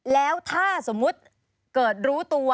แล้วถ้าสมมุติเกิดรู้ตัว